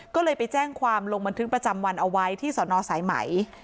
ก็เลยไปแจ้งความลงบันทึกประจำวันเอาไว้ที่สนสายไหม